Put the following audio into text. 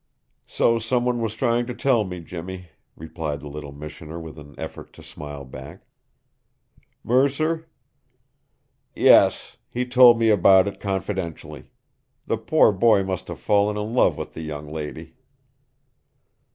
"So some one was trying to tell me, Jimmy," replied the little missioner with an effort to smile back. "Mercer?" "Yes. He told me about it confidentially. The poor boy must have fallen in love with the young lady."